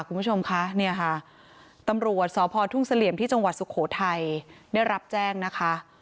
คุณผู้ชมคะเนี่ยค่ะตำรวจสพทุ่งเสลี่ยมที่จังหวัดสุโขทัยได้รับแจ้งนะคะ